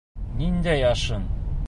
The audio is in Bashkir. Ниндәй ашың?